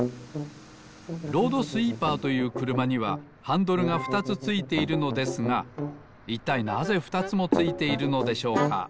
ロードスイーパーというくるまにはハンドルがふたつついているのですがいったいなぜふたつもついているのでしょうか？